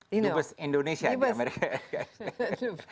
dubes indonesia di amerika